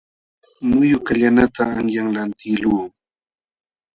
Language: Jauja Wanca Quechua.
Muyu kallanata qanyan lantiqlun.